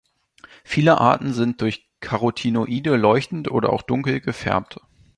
Viele Arten sind durch Carotinoide leuchtend oder auch dunkel gefärbt.